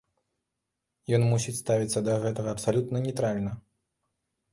Ён мусіць ставіцца да гэтага абсалютна нейтральна.